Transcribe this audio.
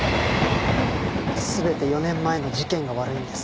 全て４年前の事件が悪いんです。